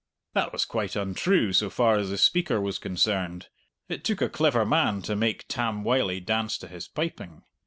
That was quite untrue so far as the speaker was concerned. It took a clever man to make Tam Wylie dance to his piping.